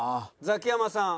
ザキヤマさん。